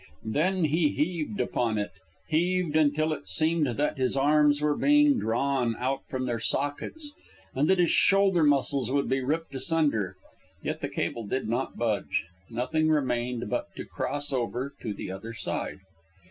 Then he heaved upon it, heaved until it seemed that his arms were being drawn out from their sockets and that his shoulder muscles would be ripped asunder. Yet the cable did not budge. Nothing remained but to cross over to the other side.